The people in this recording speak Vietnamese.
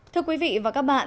thưa quý vị và các bạn